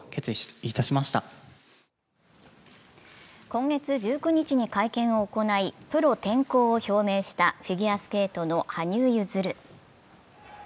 今月１９日に会見を行い、プロ転向を表明したフィギュアスケートの羽生結弦。